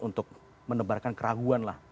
untuk menebarkan keraguan